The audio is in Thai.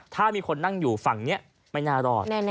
ถ้ามีคนนั่งอยู่ฝั่งนี้ไม่น่ารอด